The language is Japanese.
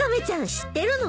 知ってるの？